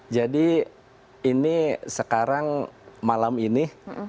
jadi ini sekarang malam ini